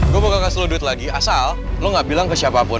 gue bakal kasih lo duit lagi asal lo gak bilang ke siapa pun